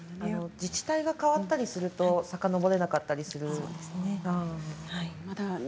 自治体が変わったりするとさかのぼれなかったりするんですよね。